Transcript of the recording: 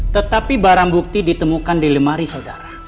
tetapi barang bukti ditemukan di lemari saudara